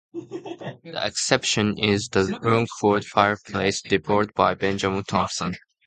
The exception is the Rumford fireplace, developed by Benjamin Thompson.